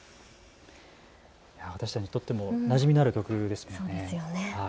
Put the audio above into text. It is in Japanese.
私たちにとってもなじみのある曲ですよね。